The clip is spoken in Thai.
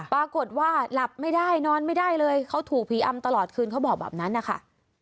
ปรากฏว่าหลับไม่ได้นอนไม่ได้เลยเขาถูกผีอำตลอดคืนเขาบอกแบบนั้นนะคะ